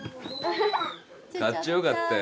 かっちょよかったよ。